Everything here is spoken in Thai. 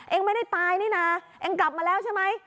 เองไม่ได้ตายนี่นะเองกลับมาแล้วใช่ไหม